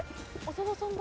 長田さんだ。